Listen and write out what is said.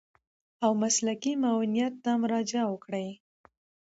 او مسلکي معاونيت ته مراجعه وکړي.